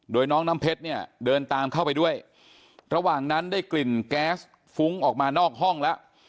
โดยน้องน้ำเพชรเนี่ยเดินตามเข้าไปด้วยระหว่างนั้นได้กลิ่นแก๊สฟุ้งออกมานอกห้องแล้ว